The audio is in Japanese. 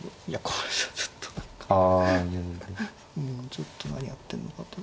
ちょっと何やってんのかと。